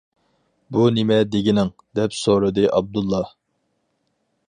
-بۇ نېمە دېگىنىڭ؟ -دەپ سورىدى ئابدۇللا.